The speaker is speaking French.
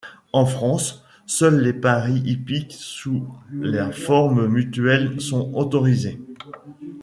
En France, seuls les paris hippiques sous la forme mutuelle sont autorisés.